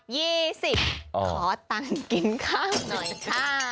ขอตังค์กินข้าวหน่อยค่ะ